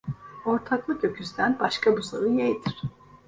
Ortaklık öküzden başka buzağı yeğdir.